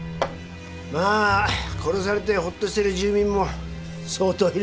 まあ殺されてほっとしてる住民も相当いると思いますよ。